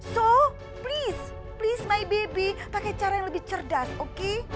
so please please my bebek pakai cara yang lebih cerdas oke